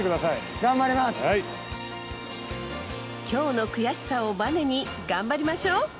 今日の悔しさをバネに頑張りましょう！